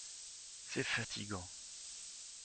C’est fatigant.